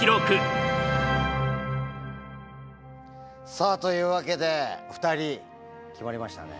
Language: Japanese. さあというわけで２人決まりましたね。